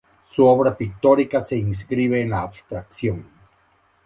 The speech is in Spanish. Su obra pictórica se inscribe en la abstracción.